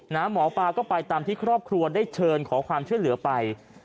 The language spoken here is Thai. หมอปลาก็ไปตามที่ครอบครัวได้เชิญขอความช่วยเหลือไป